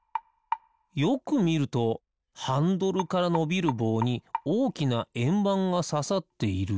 よくみるとハンドルからのびるぼうにおおきなえんばんがささっている。